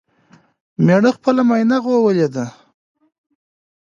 مېړه خپله ماينه غوولې ده